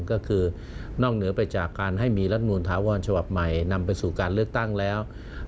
ก็คือนอกเหนือไปจากการให้มีรัฐมนูลถาวรฉบับใหม่นำไปสู่การเลือกตั้งแล้ว